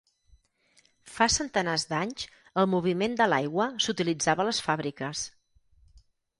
Fa centenars d'anys, el moviment de l'aigua s'utilitzava a les fàbriques.